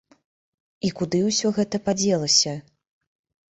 І куды ўсё гэта падзелася?